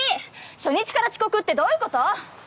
初日から遅刻ってどういうこと！